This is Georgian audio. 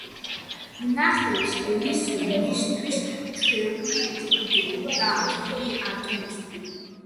მნახველს ელის მისთვის ჩვეული მყუდრო და თბილი ატმოსფერო.